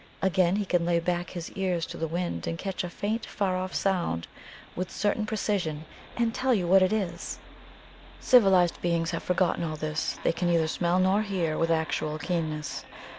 Again, he can lay back his ears to the wind and catch a faint, far off sound with, certainty and precision, and tell you what it is. Civilized beings have forgotten all this; they can neither smell nor hear with actual keenness.